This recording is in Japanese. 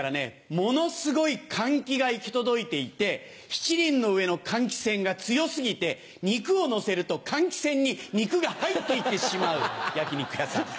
ものすごい換気が行き届いていてしちりんの上の換気扇が強過ぎて肉をのせると換気扇に肉が入って行ってしまう焼き肉屋さん。